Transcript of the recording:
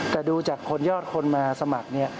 แต่ดูจากคนยอดคนมาสมัคร